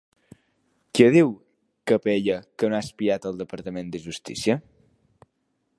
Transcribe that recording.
Què diu Capella que no ha espiat el departament de Justícia?